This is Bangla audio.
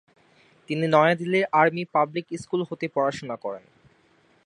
তিনি নয়াদিল্লির আর্মি পাবলিক স্কুল হতে পড়াশুনা করেন।